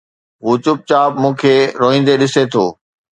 هو چپ چاپ مون کي روئيندي ڏسي ٿو